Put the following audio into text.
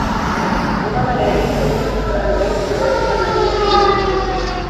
Muhammad aliishi miaka kama arobaini bila kuwa na imani ya Mungu pekee.